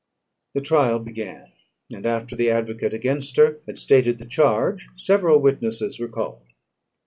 The trial began; and, after the advocate against her had stated the charge, several witnesses were called.